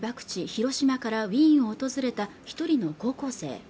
広島からウィーンを訪れた一人の高校生